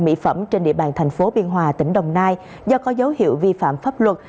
mỹ phẩm trên địa bàn thành phố biên hòa tỉnh đồng nai do có dấu hiệu vi phạm pháp luật